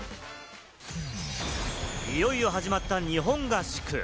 いよいよ始まった日本合宿。